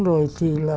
rồi thì là